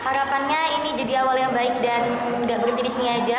harapannya ini jadi awal yang baik dan nggak berhenti di sini aja